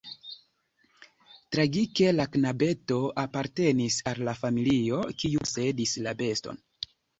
Tragike la knabeto apartenis al la familio, kiu posedis la beston.